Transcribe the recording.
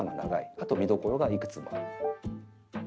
あと見どころがいくつもある。